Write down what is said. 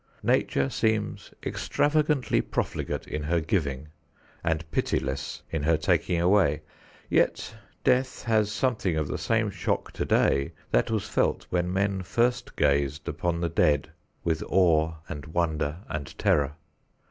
Nature seems extravagantly profligate in her giving and pitiless in her taking away. Yet death has something of the same shock today that was felt when men first gazed upon the dead with awe and wonder and terror.